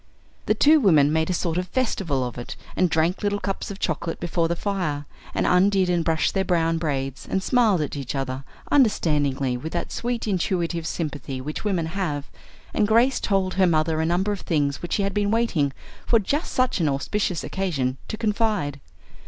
The two women made a sort of festival of it, and drank little cups of chocolate before the fire, and undid and brushed their brown braids, and smiled at each other, understandingly, with that sweet intuitive sympathy which women have, and Grace told her mother a number of things which she had been waiting for just such an auspicious occasion to confide.